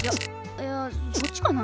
いやそっちかな？